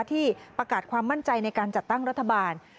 ที่ประกาศความมั่นใจในการจัดตั้งรัฐบาล